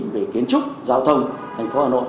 về kiến trúc giao thông thành phố hà nội